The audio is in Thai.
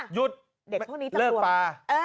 หยุดเลิกปลา